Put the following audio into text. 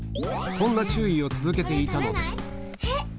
こんな注意を続けていたのでえっ！